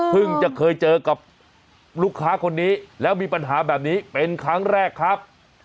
จะเคยเจอกับลูกค้าคนนี้แล้วมีปัญหาแบบนี้เป็นครั้งแรกครับ